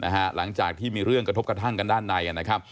หลังจากที่มีเรื่องกระทบกระทั่งกันด้านในนะครับ